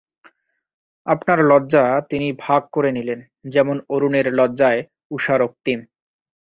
আপনার লজ্জা তিনি ভাগ করে নিলেন, যেমন অরুণের লজ্জায় উষা রক্তিম।